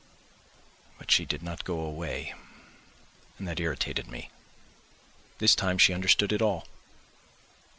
But she did not go away, and that irritated me. This time she understood it all.